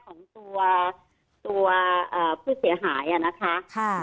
ของตัวผู้เสียหายค่ะ